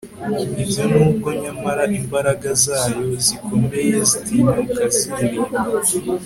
ibyo nubwo nyamara imbaraga zayo zikomeye zitinyuka ziririmba